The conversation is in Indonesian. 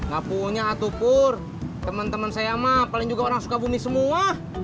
gak punya atupur teman teman saya mah paling juga orang sukabumi semua